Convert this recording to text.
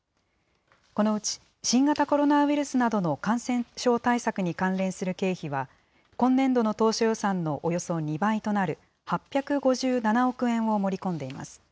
このうち新型コロナウイルスなどの感染症対策に関連する経費は今年度の当初予算のおよそ２倍となる８５７億円を盛り込んでいます。